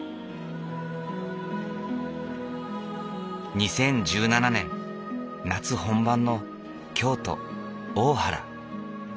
２０１７年夏本番の京都・大原。